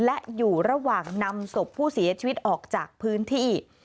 และอยู่ระหว่างนำศพผู้เสียชีวิตออกจากพื้นที่